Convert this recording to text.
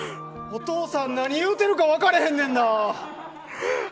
お父さん、何言うてるか分からへんねんな。